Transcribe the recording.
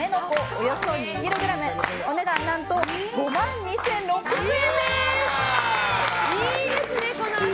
およそ２ｋｇお値段、何と５万２６００円です。